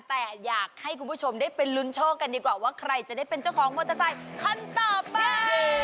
แต่อยากให้คุณผู้ชมได้ไปลุ้นโชคกันดีกว่าว่าใครจะได้เป็นเจ้าของมอเตอร์ไซค์คันต่อไป